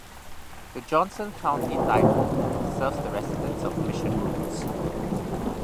The Johnson County Library serves residents of Mission Woods.